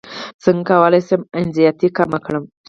څنګه کولی شم انزیتي کمه کړم